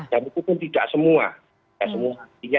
dan itu pun tidak semua